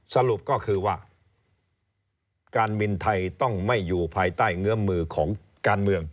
สรุปก็คือว่าการบินไทยต้องไม่อยู่ภายใต้เงื้อมมือของการเมือง